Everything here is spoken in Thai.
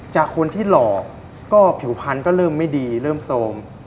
จากคนที่หลอกก็ผิวพันธุ์ก็เริ่มไม่ดีเริ่มโซม